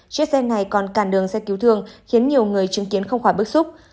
chiếc xe này còn cản đường xe cứu thương khiến nhiều người chứng kiến không khỏi bức xúc